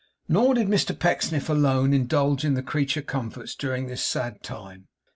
Nor did Mr Pecksniff alone indulge in the creature comforts during this sad time.